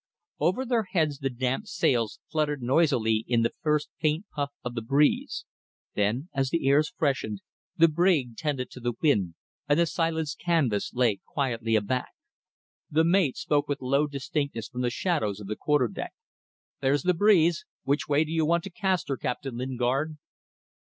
Over their heads the damp sails fluttered noisily in the first faint puff of the breeze; then, as the airs freshened, the brig tended to the wind, and the silenced canvas lay quietly aback. The mate spoke with low distinctness from the shadows of the quarter deck. "There's the breeze. Which way do you want to cast her, Captain Lingard?"